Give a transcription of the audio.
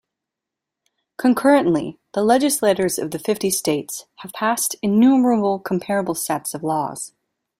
Concurrently, the legislatures of the fifty states have passed innumerable comparable sets of laws.